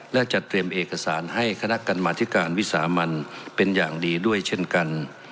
และจะเตรียมเอกสารให้คณะกรรมธิการวิสามันเป็นอย่างดีด้วยเช่นกัน